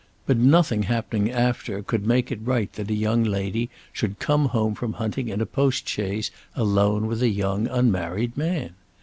But nothing happening after could make it right that a young lady should come home from hunting in a postchaise alone with a young unmarried man.